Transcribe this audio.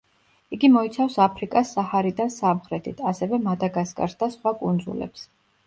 იგი მოიცავს აფრიკას საჰარიდან სამხრეთით, ასევე მადაგასკარს და სხვა კუნძულებს.